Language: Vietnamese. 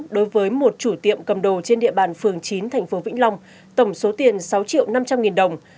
đối với một chủ tiệm cầm đồ trên địa bàn phường chín thành phố vĩnh long tổng số tiền sáu triệu năm trăm linh nghìn đồng